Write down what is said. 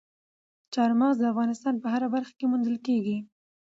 چار مغز د افغانستان په هره برخه کې موندل کېږي.